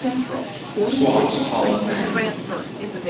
Squash Hall of Fame.